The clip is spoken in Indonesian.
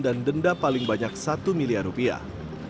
dan denda paling banyak satu miliar rupiah